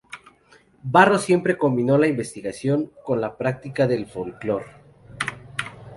Barros siempre combinó la investigación con la práctica del folclore.